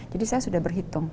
jadi saya sudah berhitung